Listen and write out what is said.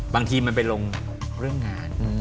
บางทีมันไปลงเรื่องงาน